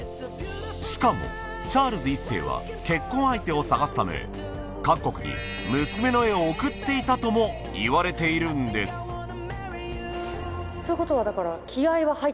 しかもチャールズ１世は結婚相手を探すため各国に娘の絵を贈っていたともいわれているんですということはだから。と思います。